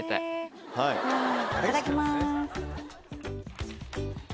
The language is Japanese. いただきます。